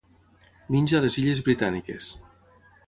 Menja a les illes Britàniques.